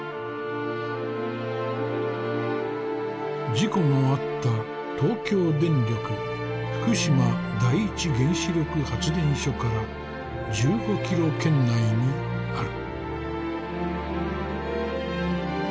事故のあった東京電力福島第一原子力発電所から１５キロ圏内にある。